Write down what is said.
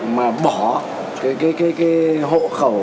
mà bỏ cái hộ khẩu